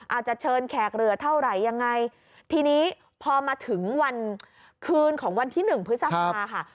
อาจจะเชิญแขกเรือเท่าไหร่ยังไงทีนี้พอมาถึงวันคืนของวันที่หนึ่งพฤษภาค่ะ